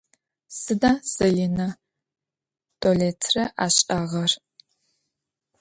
Sıda Zaline Doletre aş'ağer?